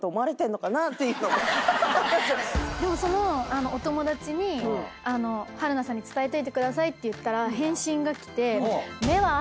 でもそのお友達に春菜さんに伝えといてくださいって言ったら返信が来て。